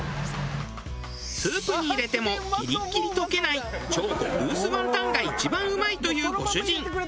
スープに入れてもギリギリ溶けない超極薄ワンタンが一番うまいというご主人。